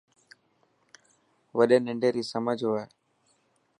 وڏي ننڊي ري سمجهه هوئي.